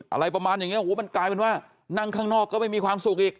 อะไรประมาณอย่างนี้โอ้โหมันกลายเป็นว่านั่งข้างนอกก็ไม่มีความสุขอีก